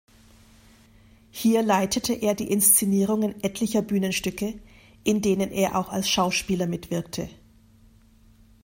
Hier leitete er die Inszenierungen etlicher Bühnenstücke, in denen er auch als Schauspieler mitwirkte.